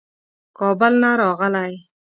کابل نه راغلی.